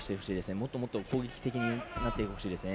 もっともっと攻撃的になってほしいですね。